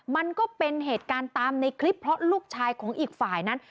มันก็เป็นเหตุการณ์ตามในคลิปเพราะลูกชายของอีกฝ่ายนั้น